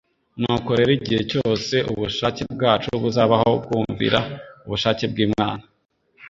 Nuko rero igihe cyose ubushake bwacu buzabaho bwumvira ubushake bw'Imana